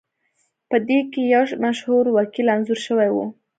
پدې کې یو مشهور وکیل انځور شوی و